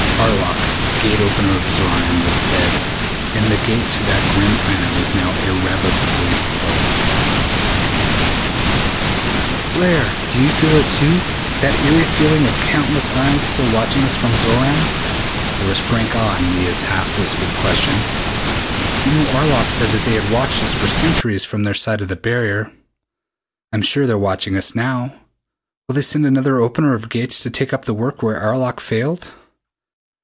Arlok, Gate opener of Xoran, was dead and the Gate to that grim planet was now irrevocably closed! "Blair, do you feel it too, that eery feeling of countless eyes still watching us from Xoran?" There was frank awe in Leah's half whispered question. "You know Arlok said that they had watched us for centuries from their side of the barrier. I'm sure they're watching us now. Will they send another Opener of Gates to take up the work where Arlok failed?"